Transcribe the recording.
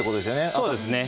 そうですね。